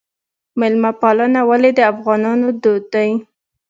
میلمه پالنه ولې د افغانانو دود دی؟